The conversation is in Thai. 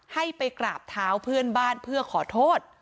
ให้ไปกราบเท้าเพื่อนบ้านเพื่อขอโทษ